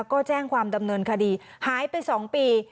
ก็แจ้งความดำเนินคดีหายไป๒ปี